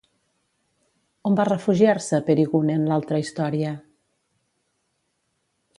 On va refugiar-se Perigune en l'altra història?